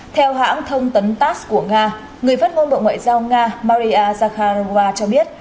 theo hãng thông tấn tass của nga người phát ngôn bộ ngoại giao nga maria zakharoa cho biết